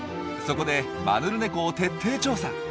そこでマヌルネコを徹底調査。